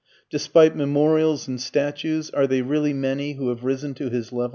Despite memorials and statues, are they really many who have risen to his level?